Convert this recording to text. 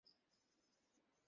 জজ কিম্বলের এতে কাজ হয়েছে।